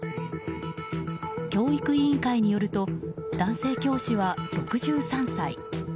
教育委員会によると男性教師は６３歳。